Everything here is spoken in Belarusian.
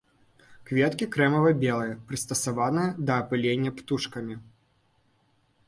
Кветкі крэмава-белыя, прыстасаваныя да апылення птушкамі.